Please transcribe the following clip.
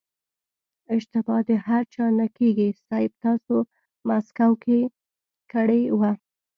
اشتبا د هر چا نه کېږي صيب تاسې مسکو کې کړې وه.